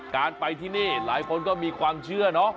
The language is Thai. การไปที่นี่หลายคนก็มีความเชื่อเนอะ